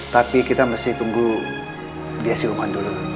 tapi kita mesti tunggu dia siuman dulu